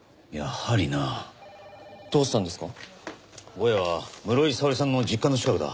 ボヤは室井沙織さんの実家の近くだ。